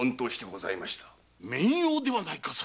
それは面妖ではないか！